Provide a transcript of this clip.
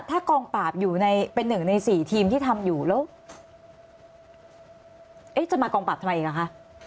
ถ้ากองปราบอยู่ในเป็นหนึ่งในสี่ทีมที่ทำอยู่แล้วจะมากองปราบทำไมอีกอ่ะคะ